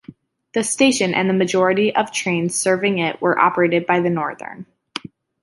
The station and the majority of trains serving it are operated by Northern.